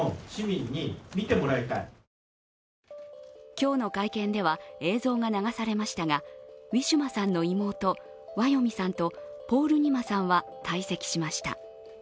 今日の会見では映像が流されましたが、ウィシュマさんの妹ワヨミさんとポールニマさんは退席しました。